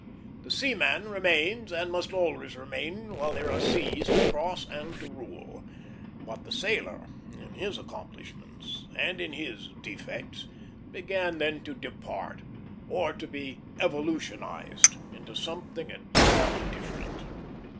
The seaman remains, and must always remain while there are seas to cross and to rule; but the sailor, in his accomplishments and in his defects, began then to depart, or to be evolutionized into something entirely different.